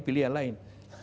pilih yang lain